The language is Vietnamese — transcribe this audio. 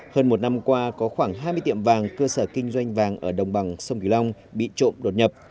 hơn một năm qua có khoảng hai mươi tiệm vàng cơ sở kinh doanh vàng ở đồng bằng sông kỳ long bị trộm đột nhập